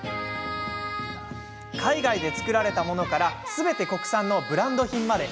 海外で作られたものからすべて国産のブランド品まで。